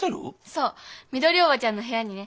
そうみどりおばちゃんの部屋にね。